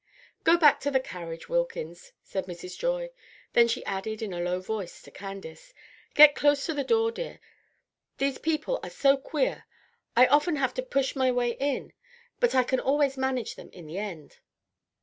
"Go back to the carriage, Wilkins," said Mrs. Joy. Then she added in a low voice to Candace: "Get close to the door, dear. These people are so queer. I often have to push my way in, but I can always manage them in the end."